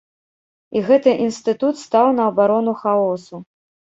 І гэты інстытут стаў на абарону хаосу!